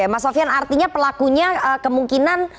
mas sofian artinya pelakunya kemungkinan